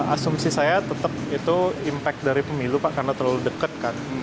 asumsi saya tetap itu impact dari pemilu pak karena terlalu dekat kan